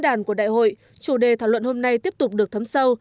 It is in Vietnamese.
từ diễn đàn của đại hội chủ đề thảo luận hôm nay tiếp tục được thấm sâu